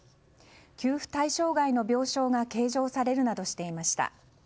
給付対象外の病床が計上されるなどしていました。